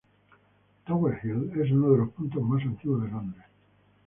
Tower Hill es uno de los puntos más antiguos de Londres.